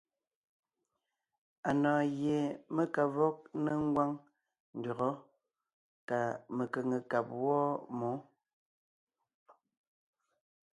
Anɔ̀ɔn gie mé ka vɔg ńnéŋ ngwáŋ ndÿɔgɔ́ kà mekʉ̀ŋekab wɔ́ɔ mǒ.